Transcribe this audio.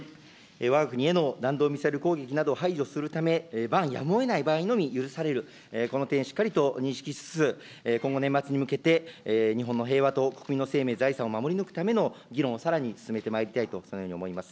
わが国への弾道ミサイル攻撃などを排除するため、ばんやむをえない場合にのみ許される、この点、しっかりと認識しつつ、今後年末に向けて、日本の平和と国民の生命、財産を守り抜くための議論をさらに進めてまいりたいとそのように思います。